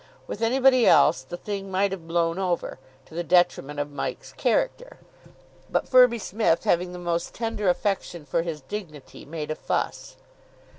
With anybody else the thing might have blown over, to the detriment of Mike's character; but Firby Smith, having the most tender affection for his dignity, made a fuss.